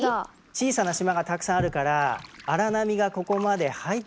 小さな島がたくさんあるから荒波がここまで入ってこないんですね。